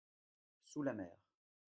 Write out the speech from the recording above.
sous la mer.